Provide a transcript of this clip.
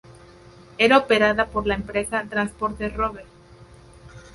Era operada por la empresa Transportes Rober.